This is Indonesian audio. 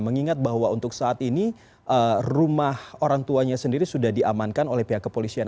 mengingat bahwa untuk saat ini rumah orang tuanya sendiri sudah diamankan oleh pihak kepolisian